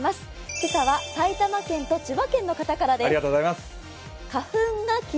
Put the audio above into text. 今朝は、埼玉県と千葉県の方からです。